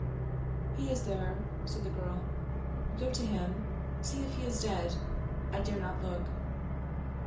" He is there," said the girl ;" go to him. See if he is dead — I dare not look."